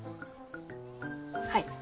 はい。